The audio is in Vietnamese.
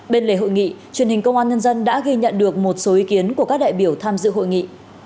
bên lề hội nghị truyền hình công an nhân dân đã ghi nhận được một số ý kiến của các đại biểu tham dự hội nghị